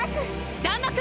弾幕！